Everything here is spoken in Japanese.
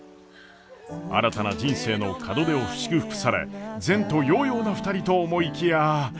新たな人生の門出を祝福され前途洋々な２人と思いきや。